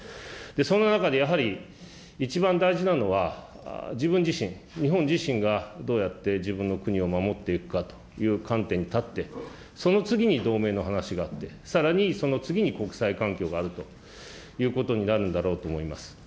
その中でやはり、一番大事なのは自分自身、日本自身がどうやって自分の国を守っていくかという観点に立って、その次に同盟の話があって、さらにその次に国際環境があるということになるんだろうと思います。